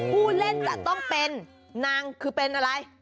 ผู้เล่นจะต้องเป็นนางคือเป็นอะไร